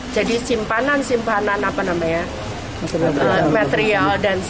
jadi simpanan simpanan material dan sedimentasi